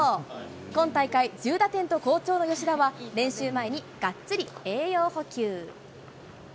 今大会、１０打点と好調の吉田は、練習前にがっつり栄養補給。